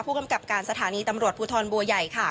กำกับการสถานีตำรวจภูทรบัวใหญ่ค่ะ